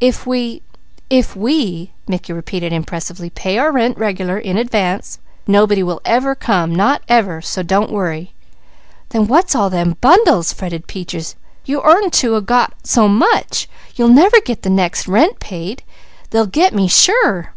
If we, if we" Mickey repeated impressively, "pay our rent regular, in advance, nobody will ever come, not ever, so don't worry." "Then what's all them bundles?" fretted Peaches. "You ortn't a got so much. You'll never get the next rent paid! They'll 'get' me sure."